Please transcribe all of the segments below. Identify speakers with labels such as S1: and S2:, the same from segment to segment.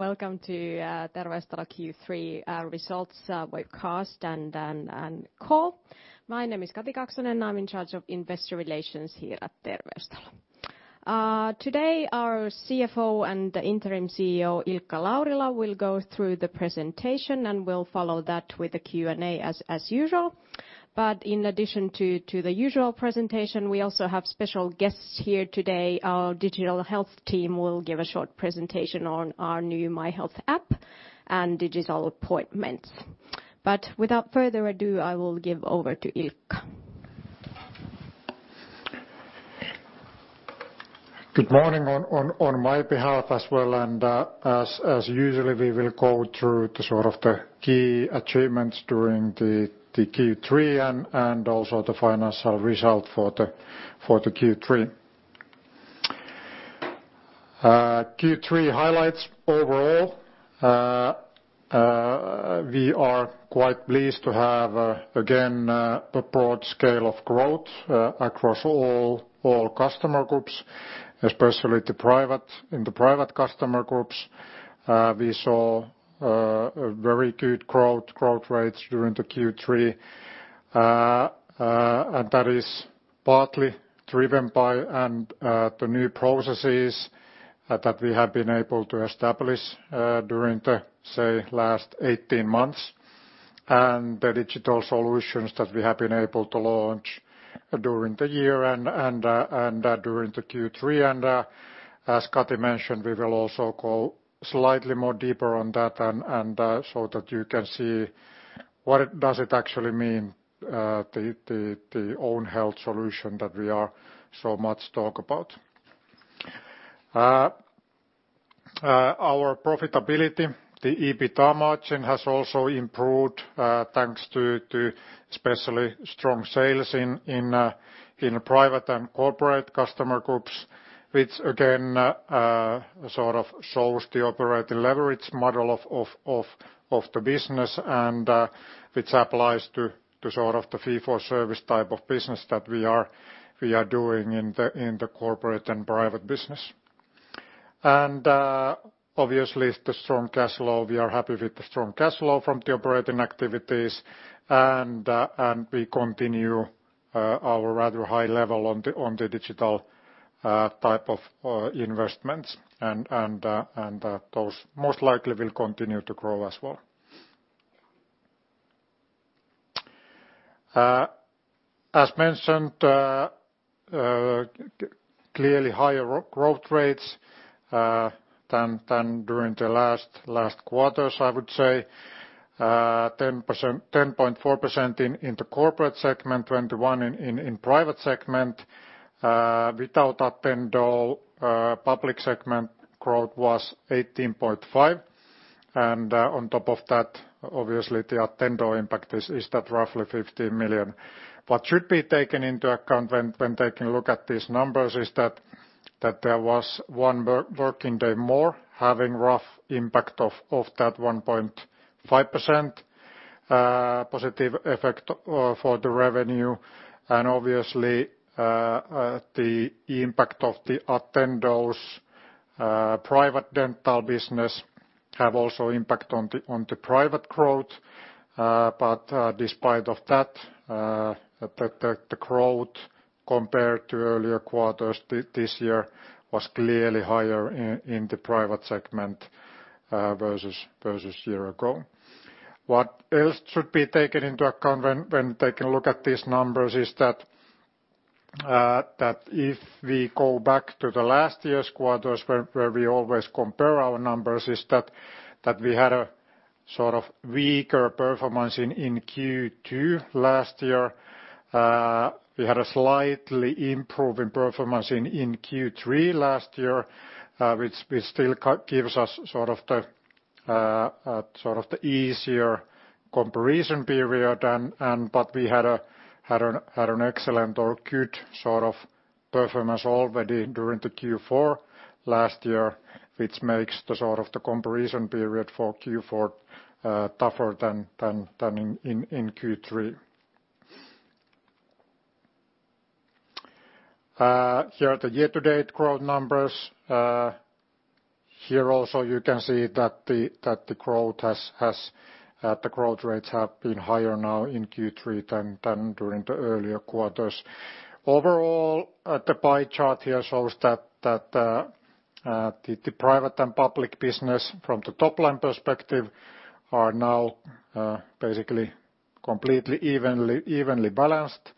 S1: Welcome to Terveystalo Q3 results webcast and call. My name is Kati Kaksonen, I'm in charge of investor relations here at Terveystalo. Today, our CFO and the interim CEO, Ilkka Laurila, will go through the presentation, and we'll follow that with a Q&A as usual. In addition to the usual presentation, we also have special guests here today. Our digital health team will give a short presentation on our new MyHealth app and digital appointments. Without further ado, I will give over to Ilkka.
S2: Good morning on my behalf as well. As usually, we will go through the key achievements during the Q3 and also the financial result for the Q3. Q3 highlights overall, we are quite pleased to have, again, a broad scale of growth across all customer groups, especially in the private customer groups. We saw very good growth rates during the Q3. That is partly driven by the new processes that we have been able to establish during the, say, last 18 months, and the digital solutions that we have been able to launch during the year and during the Q3. As Kati mentioned, we will also go slightly more deeper on that so that you can see what does it actually mean, the own health solution that we are so much talk about. Our profitability, the EBITDA margin, has also improved thanks to especially strong sales in private and corporate customer groups, which again sort of shows the operating leverage model of the business and which applies to the fee for service type of business that we are doing in the corporate and private business. Obviously, the strong cash flow, we are happy with the strong cash flow from the operating activities, we continue our rather high level on the digital type of investments, and those most likely will continue to grow as well. As mentioned clearly higher growth rates than during the last quarters, I would say. 10.4% in the corporate segment, 21% in private segment. Without Attendo, public segment growth was 18.5%. On top of that, obviously the Attendo impact is that roughly 15 million. What should be taken into account when taking a look at these numbers is that there was one working day more, having rough impact of that 1.5%, positive effect for the revenue. Obviously, the impact of the Attendo's private dental business have also impact on the private growth. Despite of that, the growth compared to earlier quarters this year was clearly higher in the private segment versus year ago. What else should be taken into account when taking a look at these numbers is that if we go back to the last year's quarters where we always compare our numbers, is that we had a sort of weaker performance in Q2 last year. We had a slightly improving performance in Q3 last year, which still gives us the easier comparison period. We had an excellent or good sort of performance already during the Q4 last year, which makes the comparison period for Q4 tougher than in Q3. Here are the year-to-date growth numbers. Here also, you can see that the growth rates have been higher now in Q3 than during the earlier quarters. Overall, the pie chart here shows that the private and public business from the top-line perspective are now basically completely evenly balanced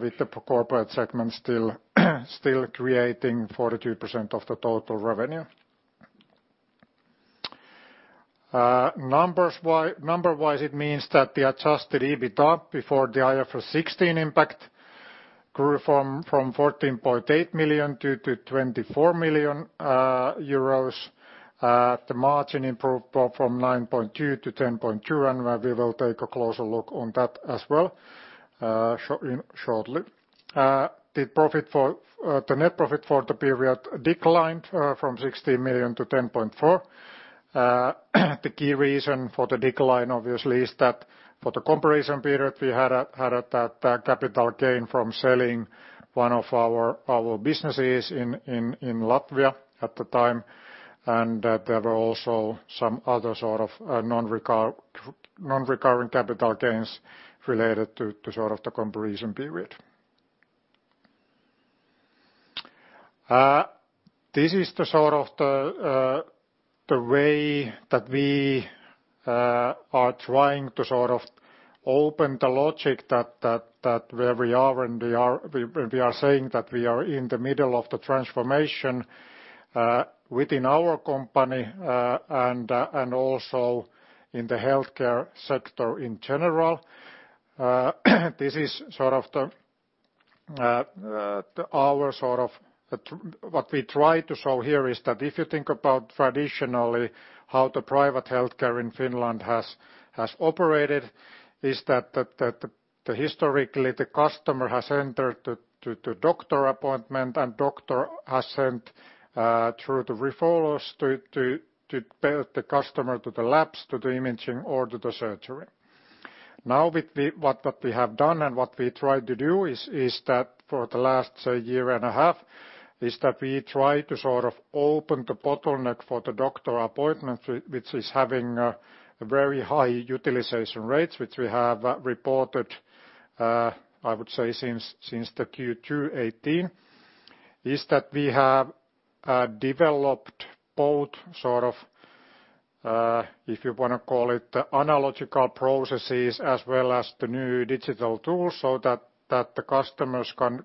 S2: with the corporate segment still creating 42% of the total revenue. Numberwise, it means that the adjusted EBITDA before the IFRS 16 impact grew from 14.8 million to 24 million euros. The margin improved from 9.2% to 10.2%, and we will take a closer look on that as well. Shortly. The net profit for the period declined from 16 million to 10.4. The key reason for the decline, obviously, is that for the comparison period, we had a capital gain from selling one of our businesses in Latvia at the time. There were also some other sort of non-recurring capital gains related to the comparison period. This is the way that we are trying to open the logic where we are. We are saying that we are in the middle of the transformation within our company, and also in the healthcare sector in general. What we try to show here is that if you think about traditionally how the private healthcare in Finland has operated, is that historically the customer has entered to doctor's appointment, and doctor has sent through the referrals to bill the customer to the labs, to the imaging, or to the surgery. What we have done and what we tried to do is that for the last, say, year and a half, is that we tried to open the bottleneck for the doctor appointments, which is having a very high utilization rates, which we have reported, I would say, since the Q2 2018. Is that we have developed both, if you want to call it, the analog processes as well as the new digital tools, so that the customers can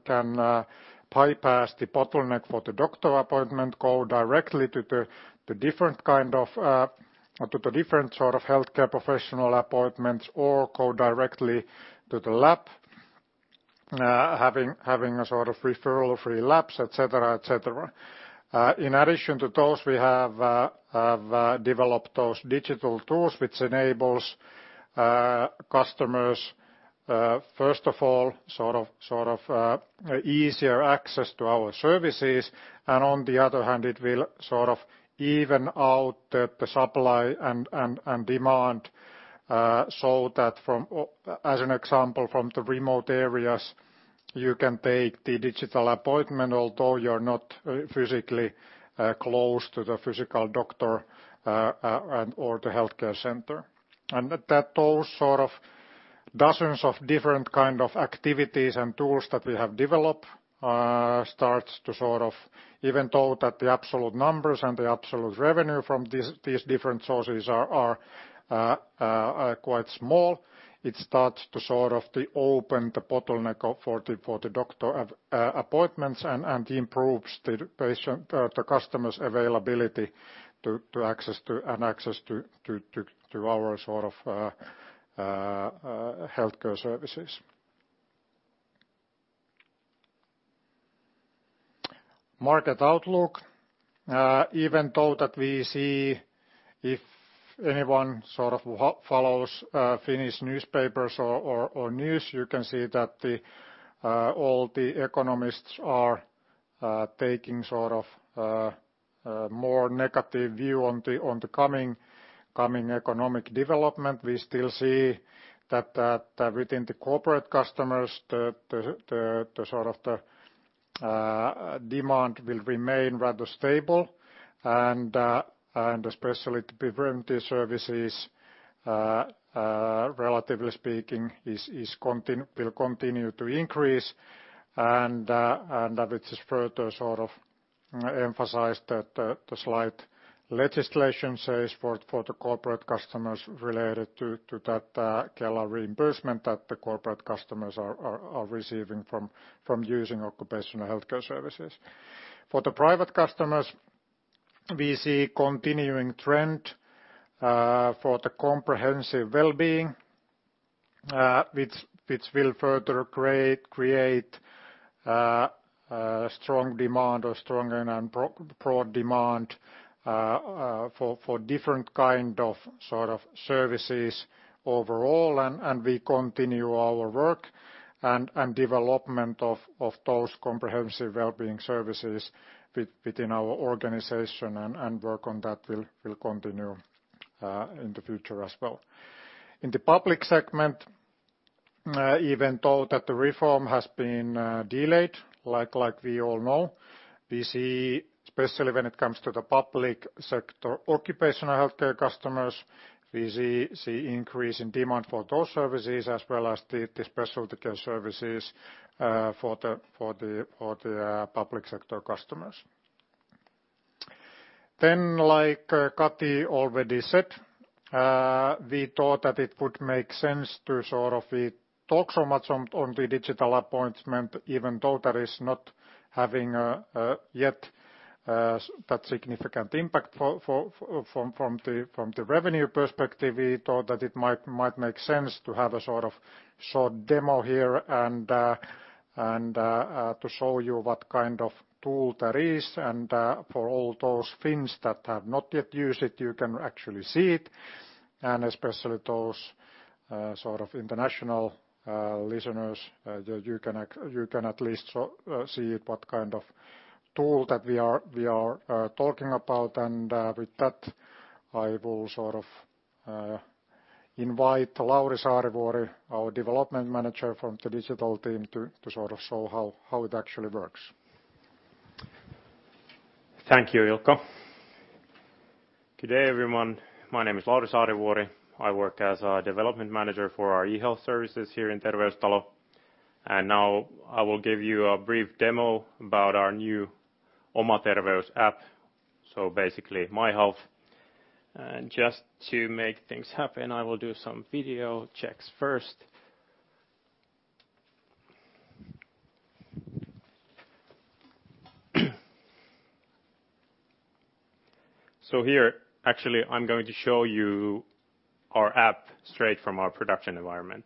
S2: bypass the bottleneck for the doctor appointment, go directly to the different kind of, or to the different sort of healthcare professional appointments, or go directly to the lab having a sort of referral for labs, et cetera. In addition to those, we have developed those digital tools, which enables customers, first of all, easier access to our services. On the other hand, it will even out the supply and demand, so that from, as an example, from the remote areas, you can take the digital appointment, although you're not physically close to the physical doctor or the healthcare center. That those dozens of different kind of activities and tools that we have developed starts to sort of even though that the absolute numbers and the absolute revenue from these different sources are quite small, it starts to open the bottleneck for the doctor appointments and improves the customer’s availability to access to our sort of healthcare services. Market outlook. Even though that we see if anyone sort of follows Finnish newspapers or news, you can see that all the economists are taking more negative view on the coming economic development. We still see that within the corporate customers, the demand will remain rather stable, especially the preventive services, relatively speaking, will continue to increase. That it is further emphasized that the slight legislation says for the corporate customers related to that Kela reimbursement that the corporate customers are receiving from using occupational healthcare services. For the private customers, we see continuing trend for the comprehensive wellbeing, which will further create a strong demand or stronger and broad demand for different kind of services overall. We continue our work and development of those comprehensive wellbeing services within our organization and work on that will continue in the future as well. In the public segment, even though that the reform has been delayed, like we all know, especially when it comes to the public sector occupational healthcare customers, we see increase in demand for those services as well as the specialty care services for the public sector customers. Like Kati already said, we thought that it would make sense to sort of talk so much on the digital appointment, even though that is not having yet that significant impact from the revenue perspective. We thought that it might make sense to have a sort of short demo here to show you what kind of tool that is, and for all those Finns that have not yet used it, you can actually see it. Especially those international listeners you can at least see what kind of tool that we are talking about. With that, I will invite Lauri Saarivuori, our development manager from the digital team, to show how it actually works.
S3: Thank you, Ilkka. Good day, everyone. My name is Lauri Saarivuori. I work as a development manager for our e-health services here in Terveystalo. Now I will give you a brief demo about our new Oma Terveys app. Basically, MyHealth. Just to make things happen, I will do some video checks first. Here, actually, I'm going to show you our app straight from our production environment.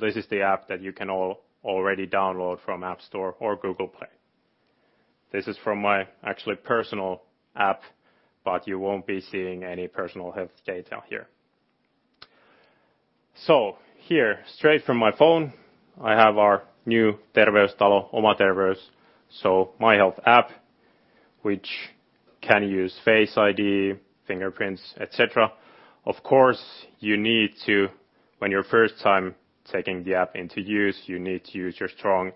S3: This is the app that you can all already download from App Store or Google Play. This is from my actually personal app, but you won't be seeing any personal health data here. Here, straight from my phone, I have our new Terveystalo Oma Terveys, so MyHealth app, which can use Face ID, fingerprints, et cetera. Of course, when you're first time taking the app into use, you need to use your strong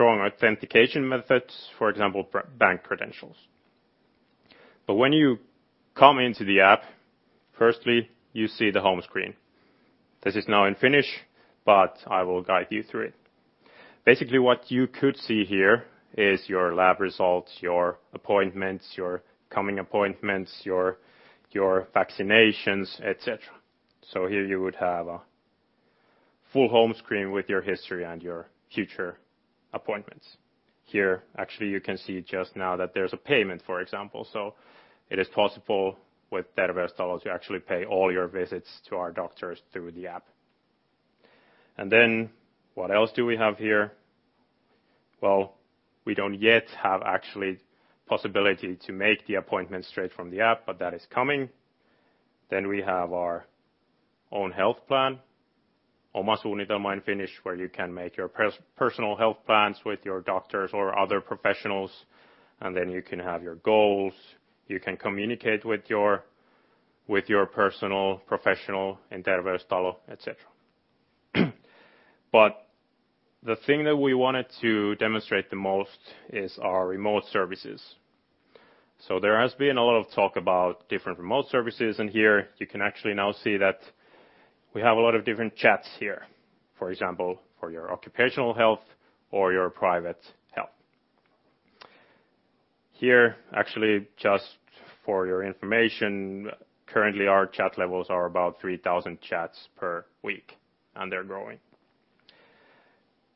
S3: authentication methods. For example, bank credentials. When you come into the app, firstly, you see the home screen. This is now in Finnish, but I will guide you through it. Basically, what you could see here is your lab results, your appointments, your coming appointments, your vaccinations, et cetera. Here you would have a full home screen with your history and your future appointments. Here, actually, you can see just now that there's a payment, for example. It is possible with Terveystalo to actually pay all your visits to our doctors through the app. What else do we have here? Well, we don't yet have actually possibility to make the appointment straight from the app, but that is coming. We have our own health plan. Oma Suunnitelma in Finnish, where you can make your personal health plans with your doctors or other professionals. You can have your goals. You can communicate with your personal professional in Terveystalo, et cetera. The thing that we wanted to demonstrate the most is our remote services. There has been a lot of talk about different remote services. Here you can actually now see that we have a lot of different chats here. For example, for your occupational health or your private health. Here, actually, just for your information, currently our chat levels are about 3,000 chats per week, and they're growing.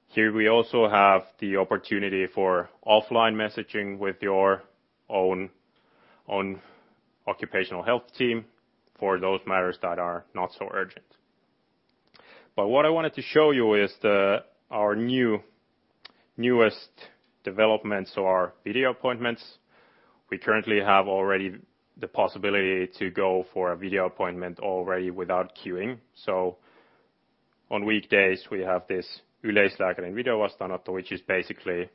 S3: Here we also have the opportunity for offline messaging with your own occupational health team for those matters that are not so urgent. What I wanted to show you is our newest developments or video appointments. We currently have already the possibility to go for a video appointment already without queuing. On weekdays, we have this Yleislääkärin videovastaanotto, which is basically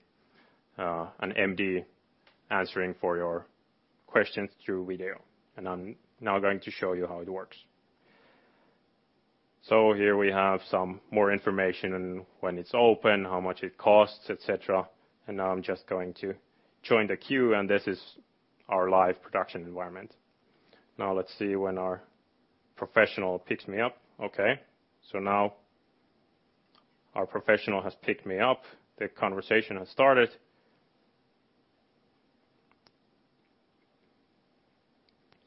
S3: an MD answering for your questions through video. I'm now going to show you how it works. Here we have some more information on when it's open, how much it costs, et cetera. Now I'm just going to join the queue, and this is our live production environment. Let's see when our professional picks me up. Now our professional has picked me up. The conversation has started.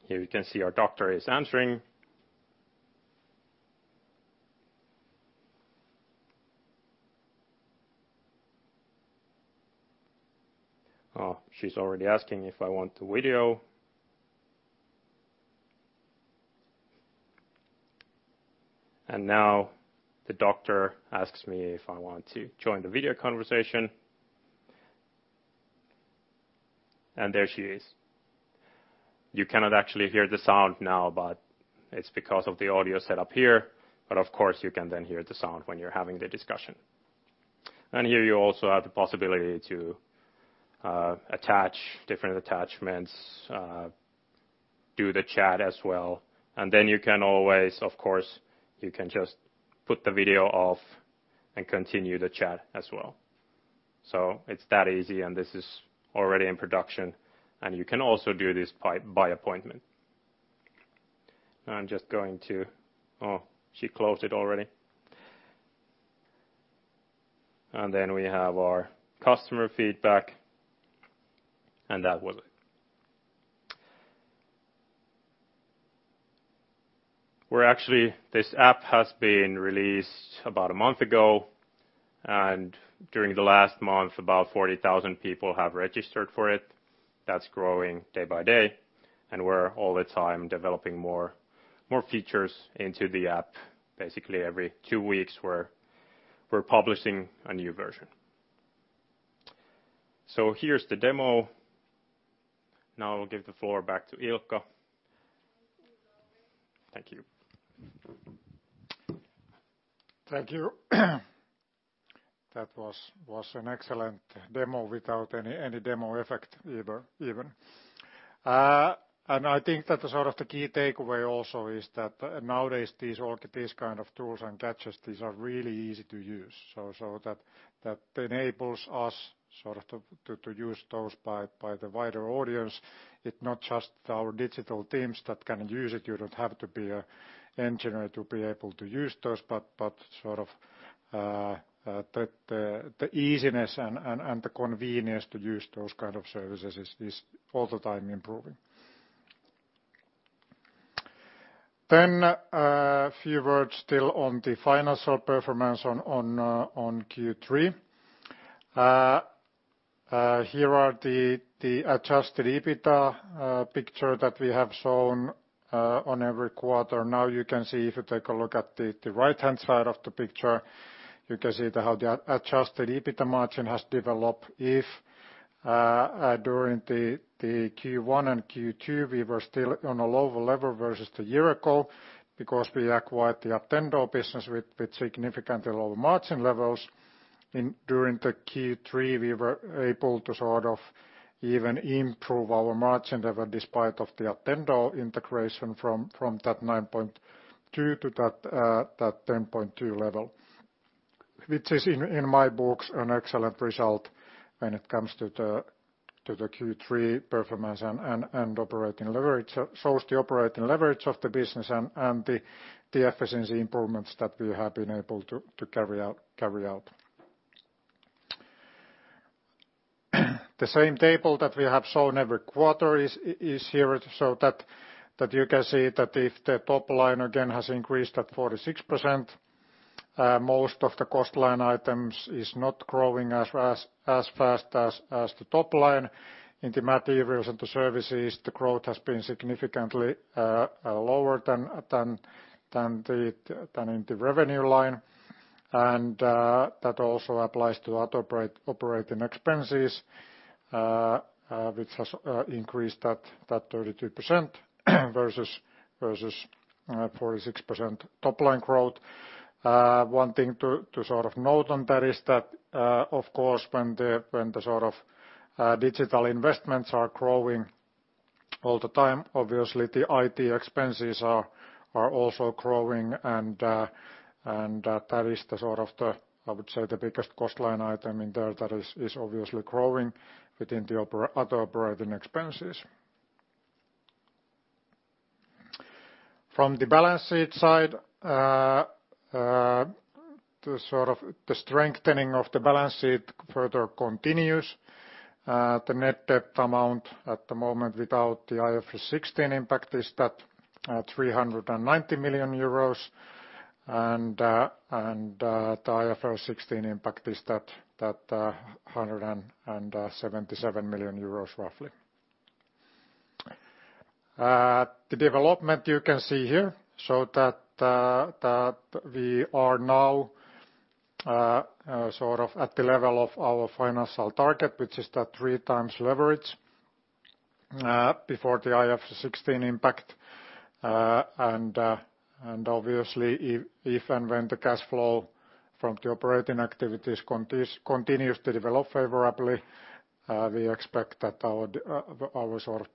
S3: Here you can see our doctor is answering. She's already asking if I want the video. Now the doctor asks me if I want to join the video conversation. There she is. You cannot actually hear the sound now, but it's because of the audio set up here. Of course, you can then hear the sound when you're having the discussion. Here you also have the possibility to attach different attachments, do the chat as well. You can always, of course, you can just put the video off and continue the chat as well. It's that easy and this is already in production. You can also do this by appointment. Now I'm just going to Oh, she closed it already. We have our customer feedback, and that was it. Well, actually, this app has been released about a month ago, and during the last month, about 40,000 people have registered for it. That's growing day by day, and we're all the time developing more features into the app. Basically, every two weeks we're publishing a new version. Here's the demo. Now I'll give the floor back to Ilkka. Thank you.
S2: Thank you. That was an excellent demo without any demo effect even. I think that the key takeaway also is that nowadays, these kind of tools and gadgets, these are really easy to use. That enables us to use those by the wider audience. It's not just our digital teams that can use it. You don't have to be an engineer to be able to use those, but the easiness and the convenience to use those kind of services is all the time improving. Few words still on the financial performance on Q3. Here are the adjusted EBITDA picture that we have shown on every quarter. You can see, if you take a look at the right-hand side of the picture, you can see how the adjusted EBITDA margin has developed. If during the Q1 and Q2, we were still on a lower level versus the year ago because we acquired the Attendo business with significantly lower margin levels. During the Q3, we were able to even improve our margin level despite of the Attendo integration from that 9.2 to that 10.2 level, which is in my books an excellent result when it comes to the Q3 performance and operating leverage. It shows the operating leverage of the business and the efficiency improvements that we have been able to carry out. The same table that we have shown every quarter is here so that you can see that if the top line again has increased at 46%, most of the cost line items is not growing as fast as the top line. In the materials and the services, the growth has been significantly lower than in the revenue line. That also applies to other operating expenses, which has increased at 33% versus 46% top-line growth. One thing to note on that is that, of course, when the digital investments are growing all the time, obviously the IT expenses are also growing and that is the, I would say, the biggest cost line item in there that is obviously growing within the other operating expenses. From the balance sheet side, the strengthening of the balance sheet further continues. The net debt amount at the moment without the IFRS 16 impact is 390 million euros and the IFRS 16 impact is 177 million euros roughly. The development you can see here, that we are now at the level of our financial target, which is 3 times leverage before the IFRS 16 impact. Obviously, if and when the cash flow from the operating activities continues to develop favorably, we expect that our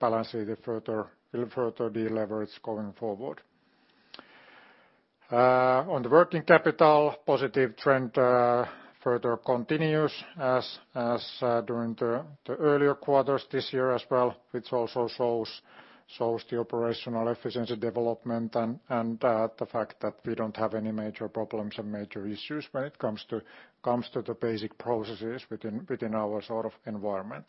S2: balance sheet will further deleverage going forward. On the working capital, positive trend further continues as during the earlier quarters this year as well, which also shows the operational efficiency development and the fact that we don't have any major problems or major issues when it comes to the basic processes within our environment.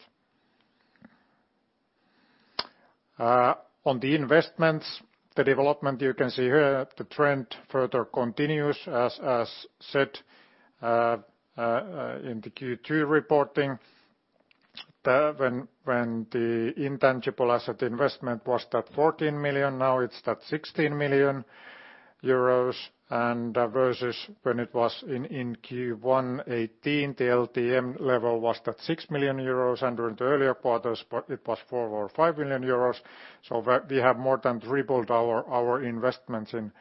S2: On the investments, the development you can see here, the trend further continues as said in the Q2 reporting, when the intangible asset investment was that 14 million, now it's that 16 million euros and versus when it was in Q1 2018, the LTM level was that 6 million euros and during the earlier quarters, it was 4 or 5 million euros. We have more than tripled our investments in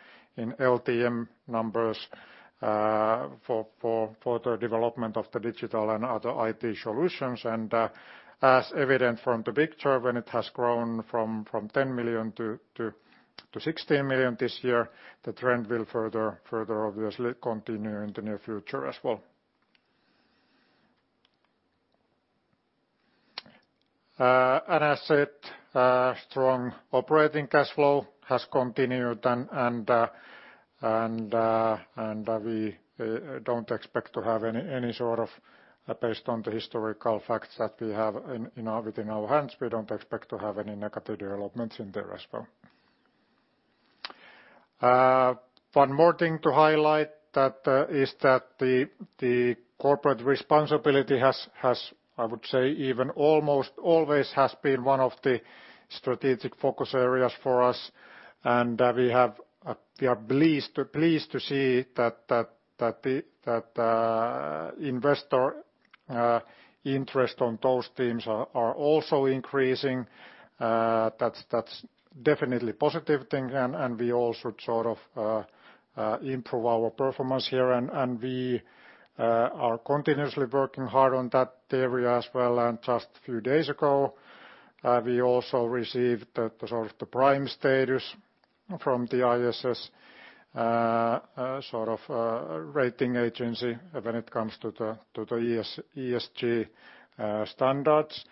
S2: LTM numbers for the development of the digital and other IT solutions. As evident from the picture, when it has grown from 10 million to 16 million this year, the trend will further obviously continue in the near future as well. As said, strong operating cash flow has continued and we don't expect to have any sort of, based on the historical facts that we have within our hands, we don't expect to have any negative developments in there as well. One more thing to highlight is that the corporate responsibility has, I would say, almost always has been one of the strategic focus areas for us, and we are pleased to see that the investor interest on those themes are also increasing. That's definitely a positive thing, and we also sort of improve our performance here. We are continuously working hard on that area as well. Just a few days ago, we also received the prime status from the ISS rating agency when it comes to the ESG standards.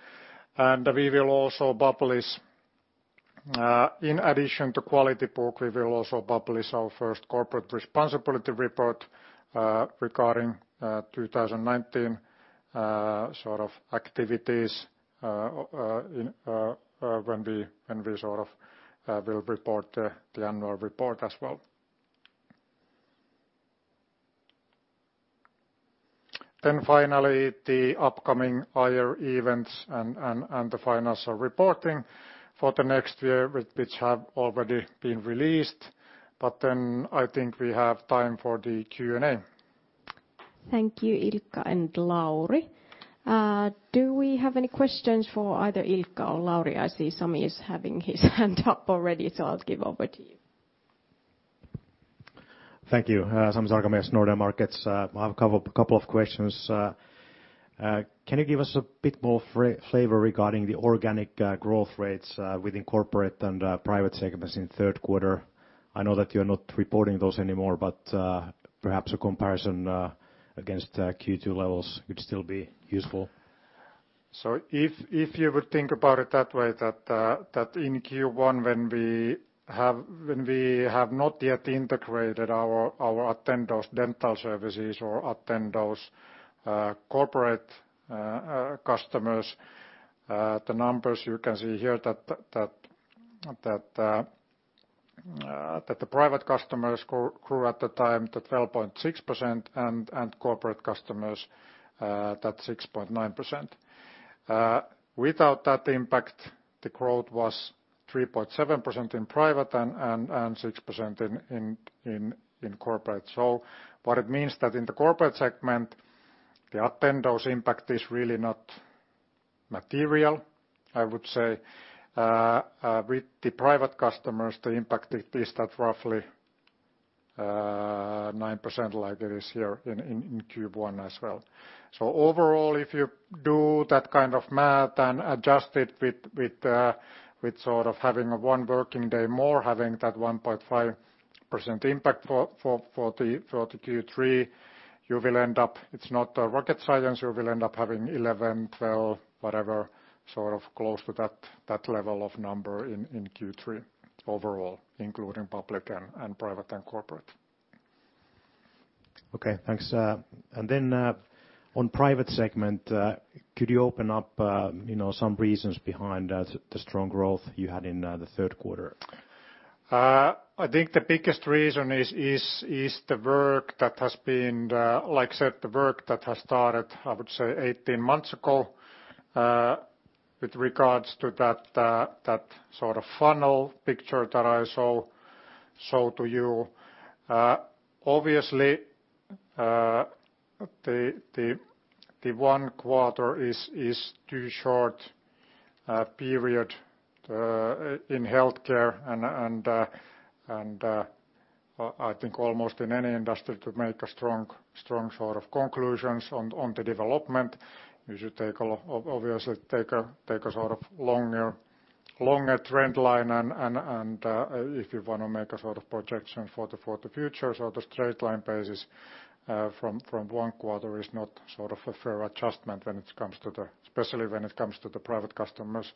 S2: In addition to quality book, we will also publish our first corporate responsibility report regarding 2019 activities when we will report the annual report as well. Finally, the upcoming IR events and the financial reporting for the next year, which have already been released. I think we have time for the Q&A.
S1: Thank you, Ilkka and Lauri. Do we have any questions for either Ilkka or Lauri? I see Sami is having his hand up already, so I'll give over to you.
S4: Thank you. Sami Sarkamies, Nordea Markets. I have a couple of questions. Can you give us a bit more flavor regarding the organic growth rates within corporate and private segments in the third quarter? I know that you're not reporting those anymore, but perhaps a comparison against Q2 levels would still be useful.
S2: If you would think about it that way, that in Q1, when we have not yet integrated our Attendo's dental services or Attendo's corporate customers, the numbers you can see here that the private customers grew at the time to 12.6% and corporate customers at 6.9%. Without that impact, the growth was 3.7% in private and 6% in corporate. What it means that in the corporate segment, the Attendo's impact is really not material, I would say. With the private customers, the impact is that roughly 9% like it is here in Q1 as well. Overall, if you do that kind of math and adjust it with sort of having a one working day more, having that 1.5% impact for the Q3, it's not rocket science. You will end up having 11, 12, whatever, sort of close to that level of number in Q3 overall, including public and private and corporate.
S4: Okay, thanks. On private segment, could you open up some reasons behind the strong growth you had in the third quarter?
S2: I think the biggest reason is the work that has been, like I said, the work that has started, I would say 18 months ago with regards to that sort of funnel picture that I showed to you. Obviously, the one quarter is too short a period in healthcare and I think almost in any industry to make strong conclusions on the development. You should obviously take a longer trend line. If you want to make a projection for the future, straight-line basis from one quarter is not a fair adjustment, especially when it comes to the private customers.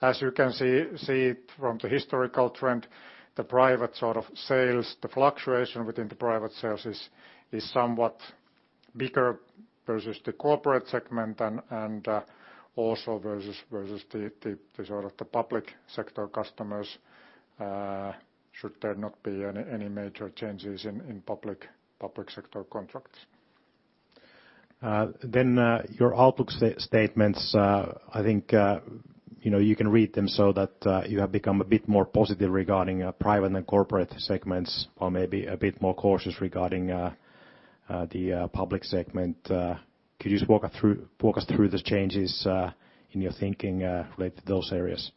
S2: As you can see from the historical trend, the private sales, the fluctuation within the private sales is somewhat bigger versus the corporate segment and also versus the public sector customers should there not be any major changes in public sector contracts.
S4: Your outlook statements, I think you can read them so that you have become a bit more positive regarding private and corporate segments, or maybe a bit more cautious regarding the public segment. Could you just walk us through those changes in your thinking related to those areas?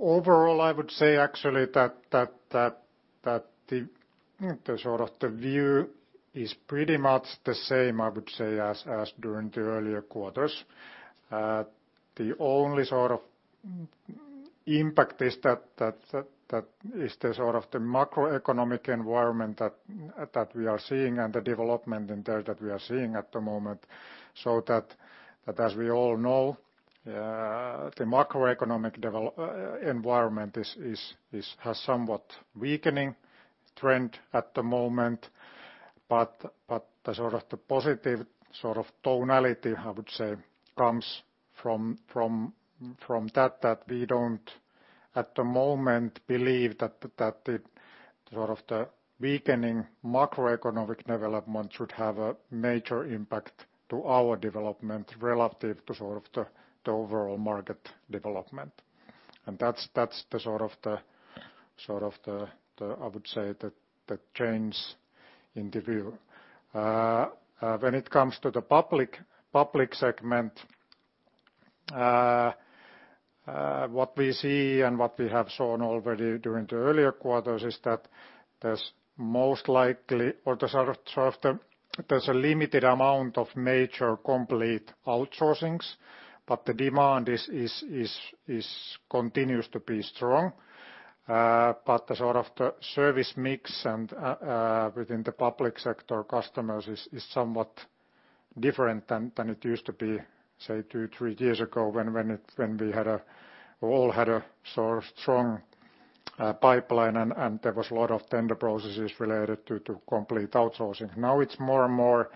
S2: Overall, I would say actually that the view is pretty much the same, I would say, as during the earlier quarters. The only sort of impact is the macroeconomic environment that we are seeing and the development in there that we are seeing at the moment, so that as we all know, the macroeconomic environment has somewhat weakening trend at the moment. The positive tonality, I would say, comes from that we don't, at the moment, believe that the weakening macroeconomic development should have a major impact to our development relative to the overall market development. That's the, I would say, the change in the view. When it comes to the public segment, what we see and what we have shown already during the earlier quarters is that there's most likely a limited amount of major complete outsourcings, but the demand continues to be strong. The service mix within the public sector customers is somewhat different than it used to be, say, two, three years ago when we all had a strong pipeline and there was a lot of tender processes related to complete outsourcing. It's more and more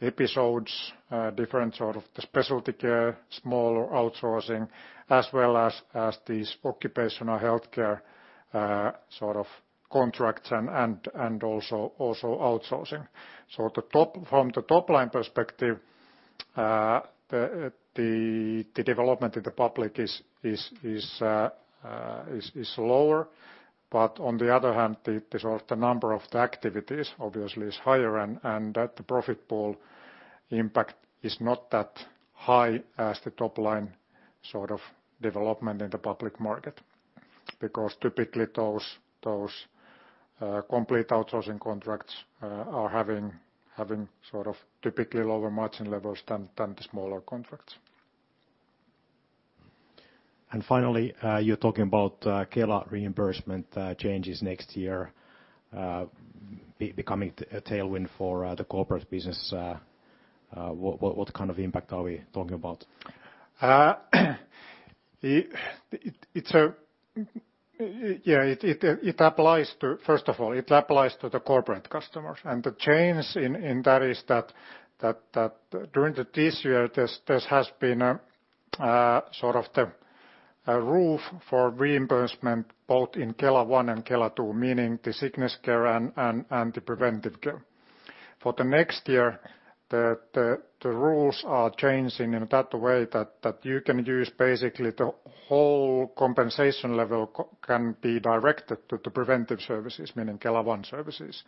S2: episodes, different sort of specialty care, smaller outsourcing, as well as these occupational healthcare contracts and also outsourcing. From the top-line perspective, the development in the public is slower, but on the other hand, the number of the activities obviously is higher and the profit pool impact is not that high as the top-line development in the public market. Typically, those complete outsourcing contracts are having typically lower margin levels than the smaller contracts.
S4: Finally, you're talking about Kela reimbursement changes next year becoming a tailwind for the corporate business. What kind of impact are we talking about?
S2: First of all, it applies to the corporate customers. The change in that is that during this year, there has been a sort of the roof for reimbursement, both in Kela I and Kela II, meaning the sickness care and the preventive care. For the next year, the rules are changing in that way that you can use Basically, the whole compensation level can be directed to preventive services, meaning Kela I services.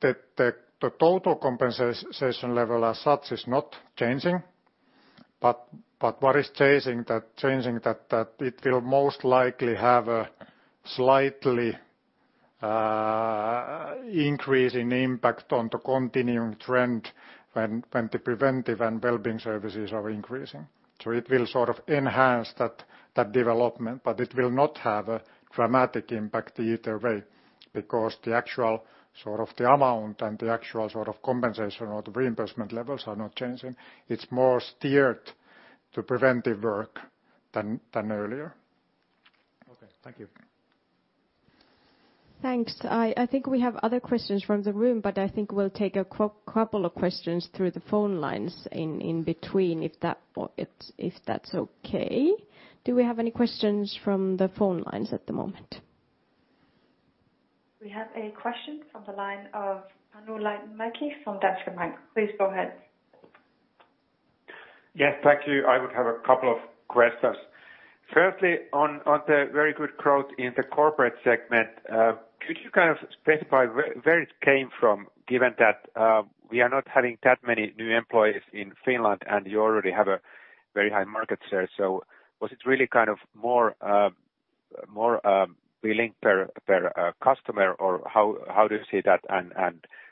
S2: The total compensation level as such is not changing, but what is changing, that it will most likely have a slightly increase in impact on the continuing trend when the preventive and wellbeing services are increasing. It will enhance that development, but it will not have a dramatic impact either way because the actual amount and the actual compensation or the reimbursement levels are not changing. It's more steered to preventive work than earlier.
S4: Okay. Thank you.
S1: Thanks. I think we have other questions from the room, but I think we'll take a couple of questions through the phone lines in between, if that's okay. Do we have any questions from the phone lines at the moment?
S5: We have a question from the line of [Anu Light-Mackey] from Danske Bank. Please go ahead.
S6: Yes, thank you. I would have a couple of questions. Firstly, on the very good growth in the corporate segment, could you kind of specify where it came from, given that we are not having that many new employees in Finland and you already have a very high market share? Was it really more billing per customer, or how do you see that, and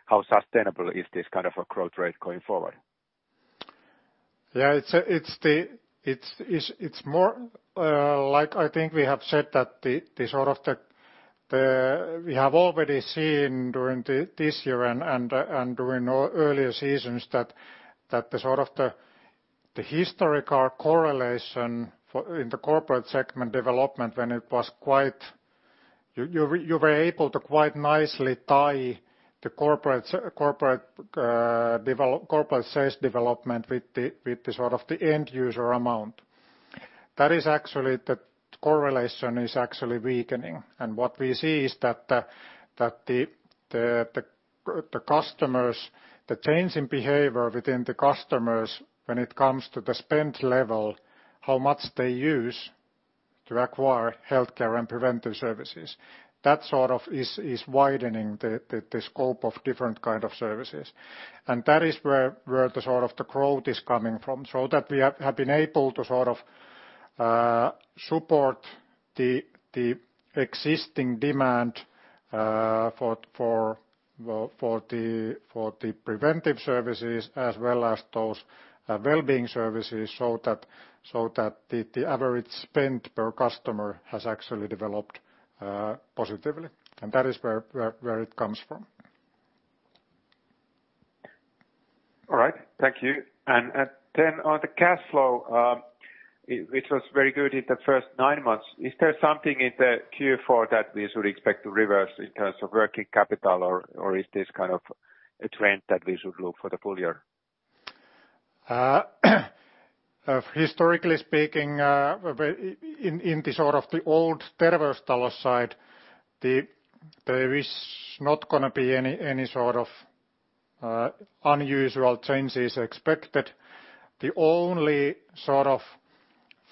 S6: how sustainable is this kind of a growth rate going forward?
S2: It's more like, I think we have said that we have already seen during this year and during earlier seasons that the historical correlation in the corporate segment development, when it was You were able to quite nicely tie the corporate sales development with the end user amount. That is actually, the correlation is actually weakening. What we see is that the change in behavior within the customers when it comes to the spend level, how much they use to acquire healthcare and preventive services, that sort of is widening the scope of different kind of services. That is where the growth is coming from. That we have been able to support the existing demand for the preventive services as well as those wellbeing services so that the average spend per customer has actually developed positively. That is where it comes from.
S6: Thank you. On the cash flow, which was very good in the first nine months, is there something in the Q4 that we should expect to reverse in terms of working capital or is this a trend that we should look for the full year?
S2: Historically speaking, in the old Terveystalo side, there is not going to be any unusual changes expected. The only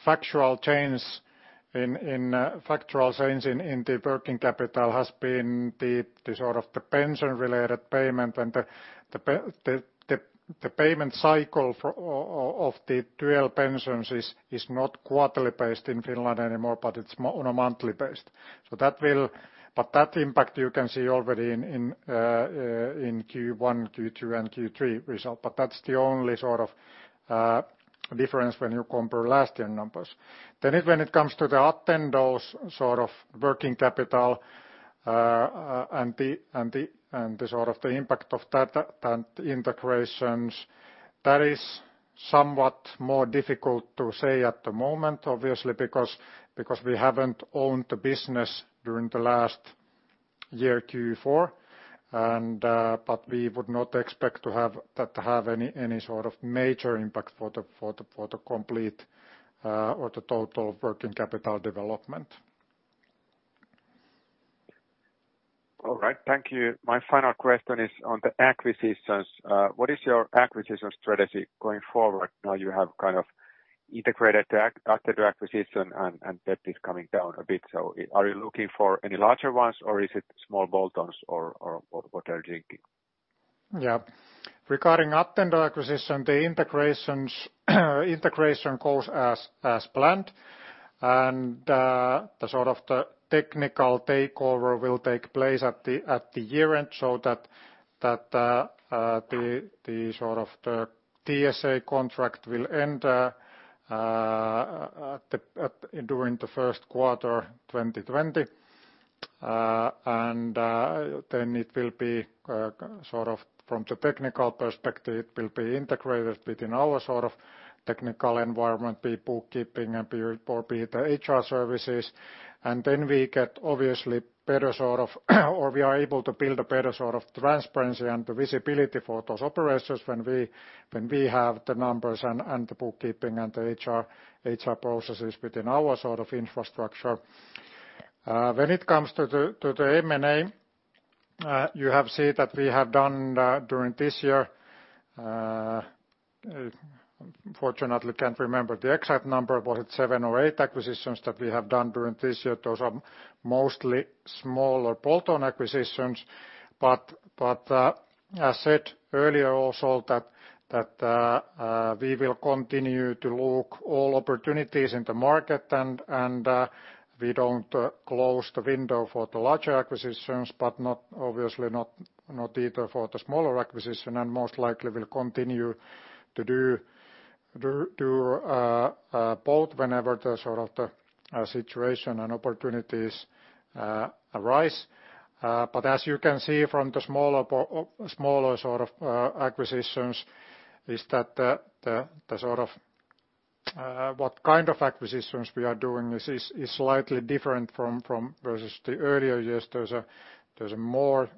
S2: factual change in the working capital has been the pension-related payment and the payment cycle of the [dual] pensions is not quarterly based in Finland anymore, but it's on a monthly based. That impact you can see already in Q1, Q2, and Q3 result. That's the only difference when you compare last year numbers. When it comes to the Attendo working capital, and the impact of that and integrations, that is somewhat more difficult to say at the moment, obviously because we haven't owned the business during the last year Q4. We would not expect that to have any sort of major impact for the complete or the total working capital development.
S6: All right. Thank you. My final question is on the acquisitions. What is your acquisition strategy going forward now you have integrated the Attendo acquisition and debt is coming down a bit? Are you looking for any larger ones or is it small bolt-ons or what are you thinking?
S2: Regarding Attendo acquisition, the integration goes as planned and the technical takeover will take place at the year-end so that the TSA contract will end during the first quarter 2020. From the technical perspective, it will be integrated within our technical environment, be it bookkeeping or be it the HR services. We get obviously better or we are able to build a better transparency and the visibility for those operators when we have the numbers and the bookkeeping and the HR processes within our infrastructure. When it comes to the M&A, you have seen that we have done during this year, unfortunately, can't remember the exact number, but it's seven or eight acquisitions that we have done during this year. Those are mostly small or bolt-on acquisitions. I said earlier also that we will continue to look all opportunities in the market and we don't close the window for the larger acquisitions, but obviously not either for the smaller acquisition and most likely we'll continue to do both whenever the situation and opportunities arise. As you can see from the smaller acquisitions, what kind of acquisitions we are doing is slightly different versus the earlier years. There's more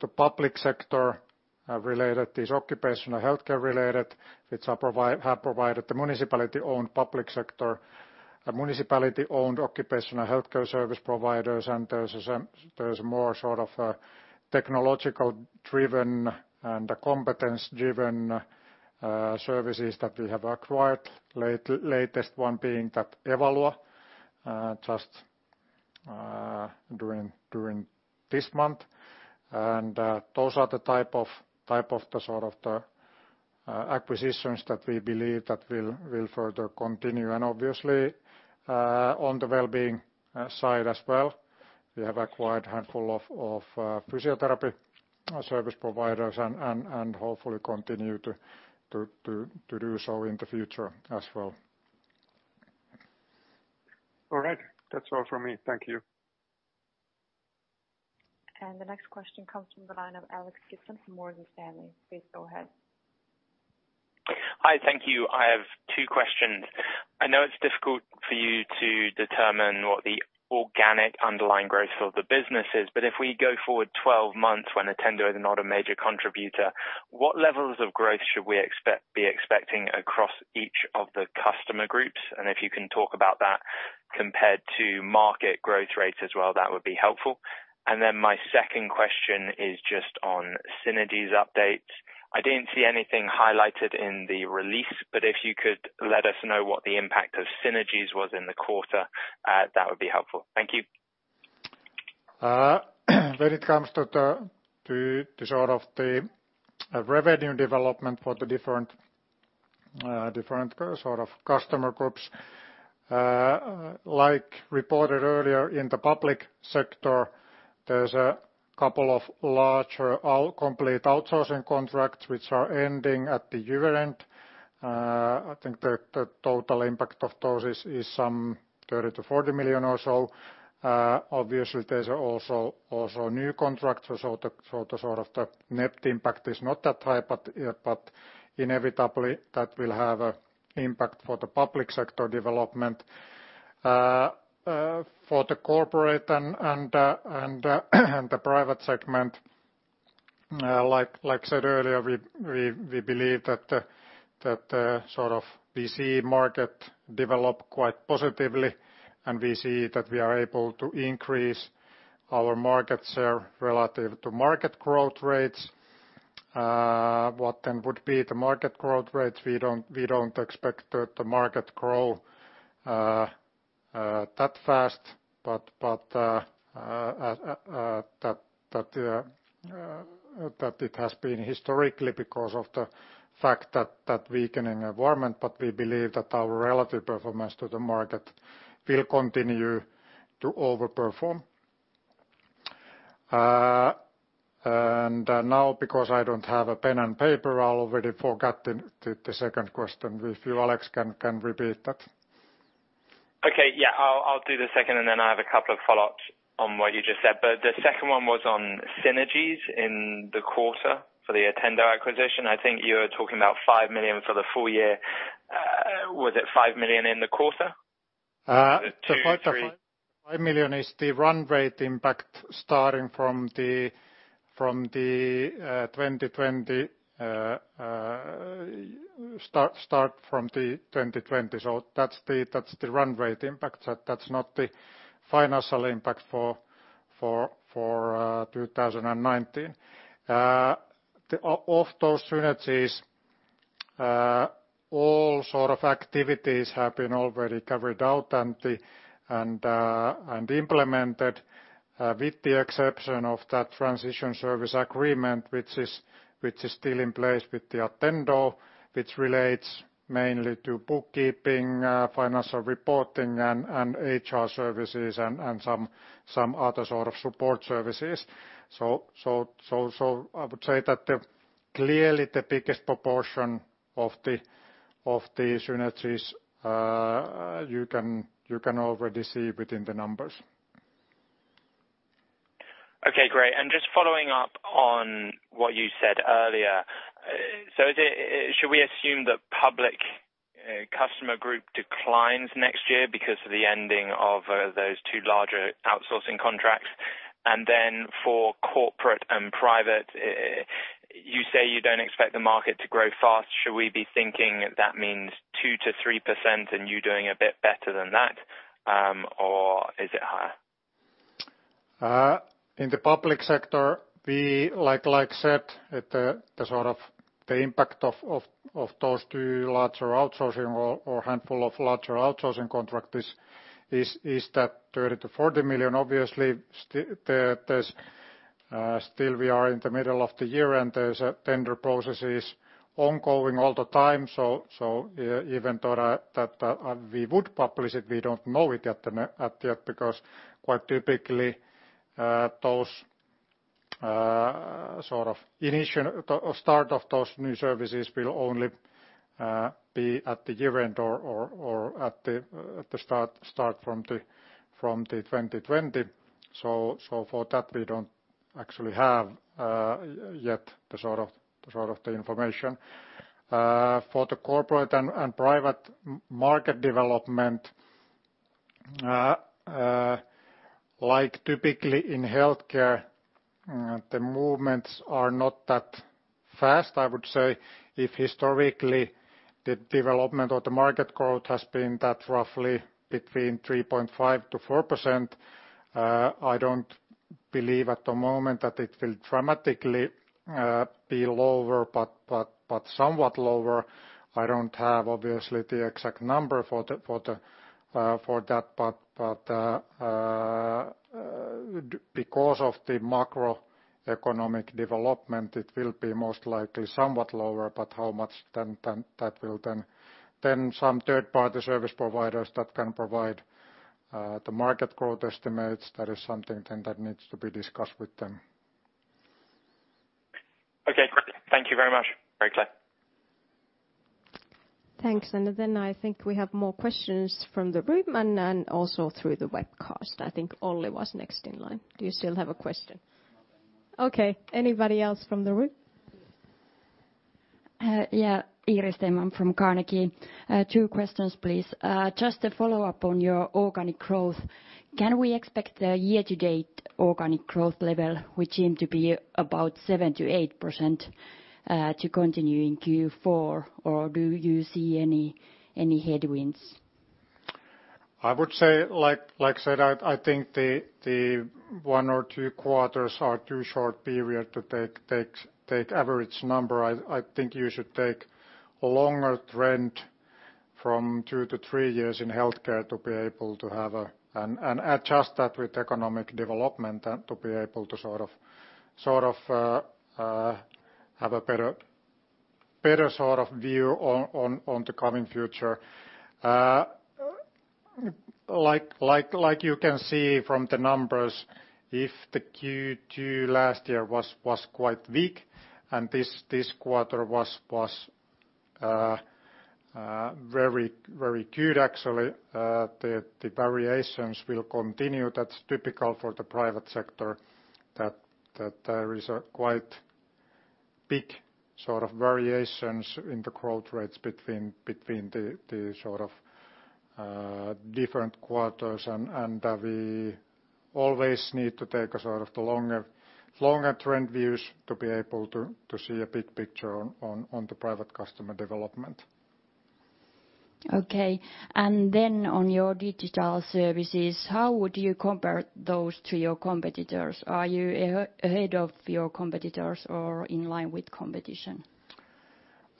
S2: the public sector related, these occupational healthcare related, which have provided the municipality-owned public sector, municipality-owned occupational healthcare service providers, and there's more technological-driven and competence-driven services that we have acquired, latest one being that Evalo just during this month. Those are the type of the acquisitions that we believe that will further continue. Obviously, on the wellbeing side as well, we have acquired handful of physiotherapy service providers and hopefully continue to do so in the future as well. All right. That's all from me. Thank you.
S5: The next question comes from the line of Alex Gibson from Morgan Stanley. Please go ahead.
S7: Hi, thank you. I have two questions. I know it's difficult for you to determine what the organic underlying growth of the business is, but if we go forward 12 months when Attendo is not a major contributor, what levels of growth should we be expecting across each of the customer groups? If you can talk about that compared to market growth rates as well, that would be helpful. My second question is just on synergies updates. I didn't see anything highlighted in the release, but if you could let us know what the impact of synergies was in the quarter, that would be helpful. Thank you.
S2: When it comes to the revenue development for the different customer groups. Like reported earlier in the public sector, there's a couple of larger complete outsourcing contracts which are ending at the year-end. I think the total impact of those is some 30 million to 40 million or so. Obviously, there's also new contracts, so the net impact is not that high, but inevitably that will have an impact for the public sector development. For the corporate and the private segment, like I said earlier, we believe that the B2C market developed quite positively, and we see that we are able to increase our market share relative to market growth rates. What then would be the market growth rates? We don't expect the market grow that fast, but that it has been historically because of the fact that weakening environment, but we believe that our relative performance to the market will continue to over-perform. Now, because I don't have a pen and paper, I already forgot the second question. If you, Alex, can repeat that?
S7: Okay. Yeah. I'll do the second. Then I have a couple of follow-ups on what you just said. The second one was on synergies in the quarter for the Attendo acquisition. I think you were talking about 5 million for the full year. Was it 5 million in the quarter?
S2: The 5 million is the run rate impact starting from the 2020. That's the run rate impact. That's not the financial impact for 2019. Of those synergies, all sort of activities have been already carried out and implemented, with the exception of that transition service agreement, which is still in place with the Attendo, which relates mainly to bookkeeping, financial reporting, and HR services and some other sort of support services. I would say that clearly the biggest proportion of the synergies, you can already see within the numbers.
S7: Okay, great. Just following up on what you said earlier. Should we assume that public customer group declines next year because of the ending of those two larger outsourcing contracts? For corporate and private, you say you don't expect the market to grow fast. Should we be thinking that means 2%-3% and you doing a bit better than that? Is it higher?
S2: In the public sector, like I said, the impact of those two larger outsourcing or handful of larger outsourcing contracts is that EUR 30 million-EUR 40 million. Obviously, still we are in the middle of the year, there's tender processes ongoing all the time. Even though that we would publish it, we don't know it at yet because quite typically, start of those new services will only be at the year-end or at the start from the 2020. For that, we don't actually have yet the sort of information. For the corporate and private market development, like typically in healthcare, the movements are not that fast, I would say. If historically, the development of the market growth has been that roughly between 3.5%-4%, I don't believe at the moment that it will dramatically be lower, but somewhat lower. I don't have obviously the exact number for that, because of the macroeconomic development, it will be most likely somewhat lower. How much then that will then some third-party service providers that can provide the market growth estimates, that is something then that needs to be discussed with them.
S7: Okay, great. Thank you very much. Very clear.
S1: Thanks. Then I think we have more questions from the room and also through the webcast. I think Ollie was next in line. Do you still have a question?
S8: No.
S1: Okay. Anybody else from the room?
S9: Yeah. Iiris Theman from Carnegie. Two questions, please. Just a follow-up on your organic growth. Can we expect the year-to-date organic growth level, which seemed to be about 7%-8%, to continue in Q4? Or do you see any headwinds?
S2: I would say, like I said, I think the one or two quarters are too short period to take average number. I think you should take a longer trend from two to three years in healthcare to be able to have and adjust that with economic development to be able to have a better view on the coming future. Like you can see from the numbers, if the Q2 last year was quite weak, and this quarter was very good, actually, the variations will continue. That's typical for the private sector, that there is a quite big variations in the growth rates between the different quarters. We always need to take a longer trend views to be able to see a big picture on the private customer development.
S9: Okay. On your digital services, how would you compare those to your competitors? Are you ahead of your competitors or in line with competition?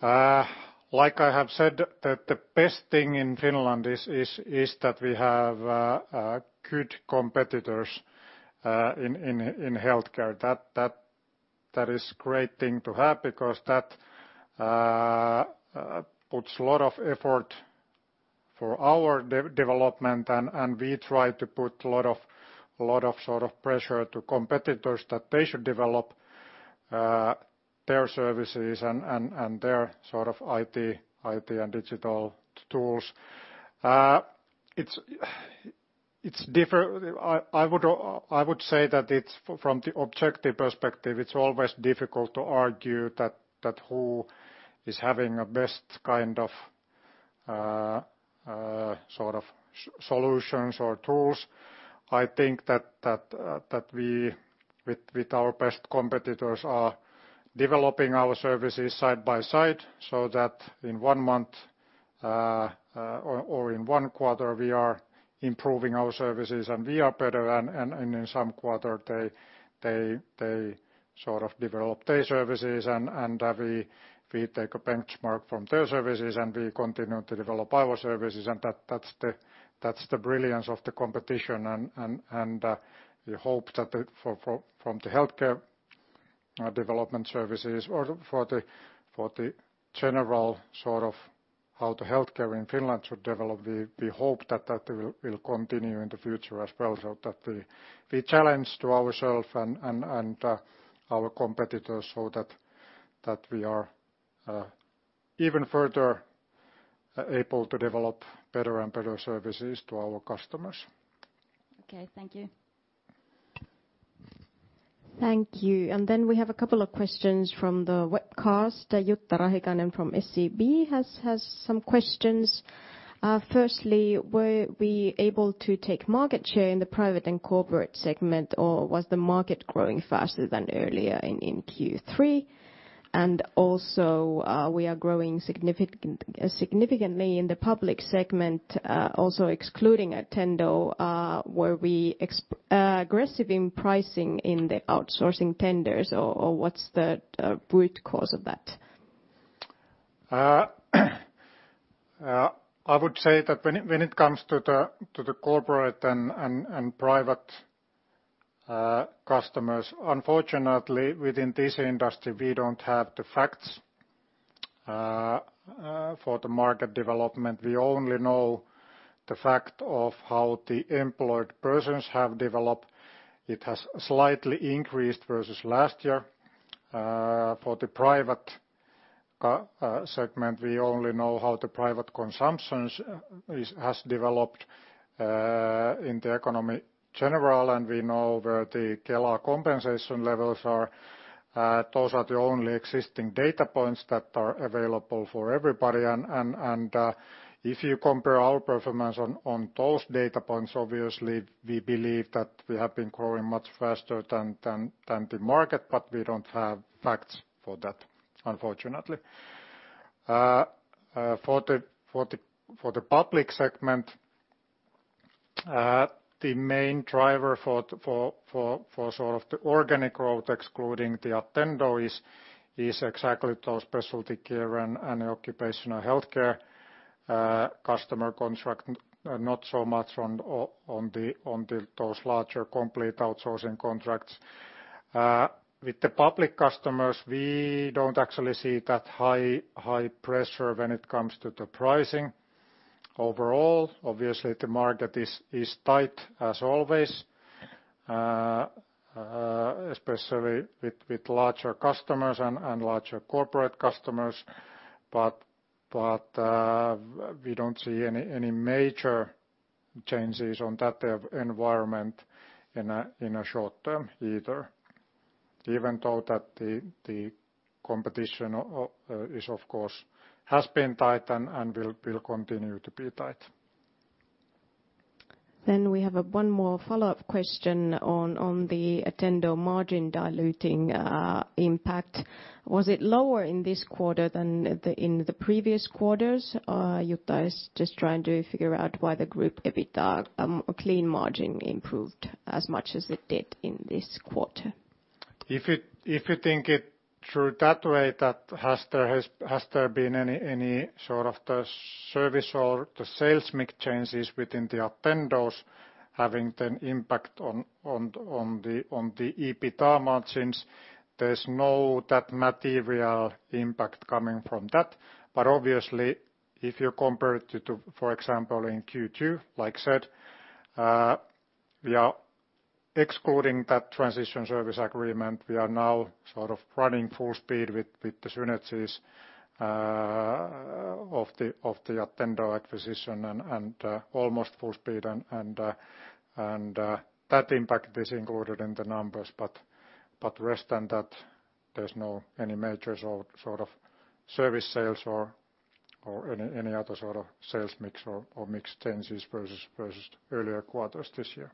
S2: Like I have said, the best thing in Finland is that we have good competitors in healthcare. That is great thing to have because that puts a lot of effort for our development, and we try to put a lot of pressure to competitors that they should develop their services and their IT and digital tools. I would say that from the objective perspective, it's always difficult to argue that who is having a best kind of solutions or tools. I think that we, with our best competitors, are developing our services side by side, so that in one month or in one quarter, we are improving our services, and we are better, and in some quarter, they develop their services, and we take a benchmark from their services, and we continue to develop our services. That's the brilliance of the competition. We hope that from the healthcare development services or for the general how the healthcare in Finland should develop, we hope that that will continue in the future as well. We challenge to ourself and our competitors so that we are even further able to develop better and better services to our customers.
S9: Okay. Thank you.
S1: Thank you. We have a couple of questions from the webcast. Jutta Rahikainen from SEB has some questions. Firstly, were we able to take market share in the private and corporate segment, or was the market growing faster than earlier in Q3? Also, we are growing significantly in the public segment, also excluding Attendo. Were we aggressive in pricing in the outsourcing tenders, or what's the root cause of that?
S2: I would say that when it comes to the corporate and private customers, unfortunately, within this industry, we don't have the facts for the market development. We only know the fact of how the employed persons have developed. It has slightly increased versus last year. For the private segment, we only know how the private consumption has developed in the economy general, and we know where the Kela compensation levels are. Those are the only existing data points that are available for everybody. If you compare our performance on those data points, obviously we believe that we have been growing much faster than the market, but we don't have facts for that, unfortunately. For the public segment, the main driver for the organic growth, excluding the Attendo, is exactly those specialty care and occupational healthcare customer contracts, not so much on those larger complete outsourcing contracts. With the public customers, we don't actually see that high pressure when it comes to the pricing. Overall, obviously, the market is tight as always, especially with larger customers and larger corporate customers. We don't see any major changes on that environment in a short term either, even though that the competition, of course, has been tight and will continue to be tight.
S1: We have one more follow-up question on the Attendo margin diluting impact. Was it lower in this quarter than in the previous quarters? Jutta is just trying to figure out why the group EBITDA clean margin improved as much as it did in this quarter.
S2: If you think it through that way, that has there been any sort of the service or the sales mix changes within the Attendo having an impact on the EBITDA margins, there's no that material impact coming from that. Obviously, if you compare it to, for example, in Q2, like I said, we are excluding that transition service agreement. We are now running full speed with the synergies of the Attendo acquisition and almost full speed, and that impact is included in the numbers. Rest than that, there's no any major sort of service sales or any other sort of sales mix or mix changes versus earlier quarters this year.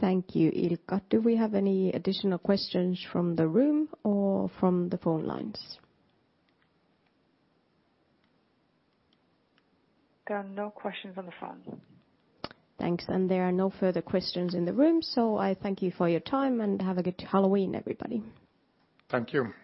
S1: Thank you, Ilkka. Do we have any additional questions from the room or from the phone lines?
S5: There are no questions on the phone.
S1: Thanks. There are no further questions in the room, so I thank you for your time, and have a good Halloween, everybody.
S2: Thank you.